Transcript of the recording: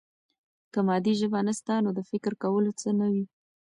که مادي ژبه نسته، نو د فکر کولو څه نه وي.